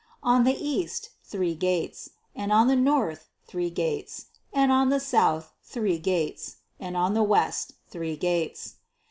13. On the east, three gates; and on the north, three gates ; and on the south, three gates ; and on the west, three gates.